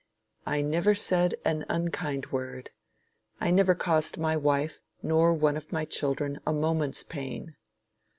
I never said an unkind word. I never caused my wife, nor one of my children, a moment's pain.